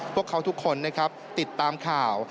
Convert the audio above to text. พวกเขาทุกคนนะครับติดตามข่าว